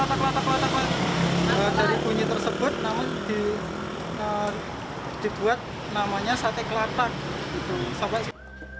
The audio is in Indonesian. kelatak kelatak dari bunyi tersebut dibuat namanya sate kelatak